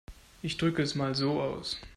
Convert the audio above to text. Ich drücke es mal so aus.